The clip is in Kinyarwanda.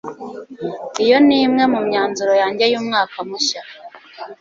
Iyo ni imwe mu myanzuro yanjye y'umwaka mushya.